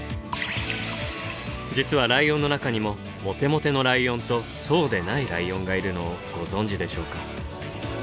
実はライオンの中にもモテモテのライオンとそうでないライオンがいるのをご存じでしょうか。